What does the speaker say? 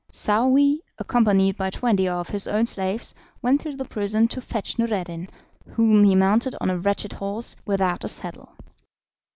Saouy, accompanied by twenty of his own slaves, went to the prison to fetch Noureddin, whom he mounted on a wretched horse without a saddle.